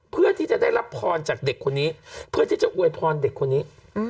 เพื่อที่จะได้รับพรจากเด็กคนนี้เพื่อที่จะอวยพรเด็กคนนี้